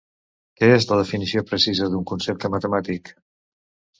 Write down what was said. Què és la definició precisa d'un concepte matemàtic?